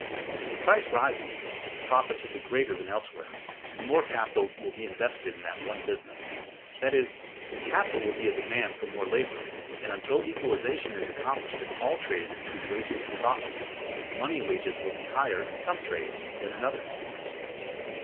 If the price rises, profits will be greater than elsewhere, and more capital will be invested in that one business; that is, the capital will be a demand for more labor, and, until equalization is accomplished in all trades between wages and profits, money wages will be higher in some trades than in others.